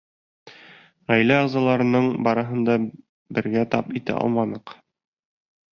Ғаилә ағзаларының барыһын бергә тап итә алманыҡ.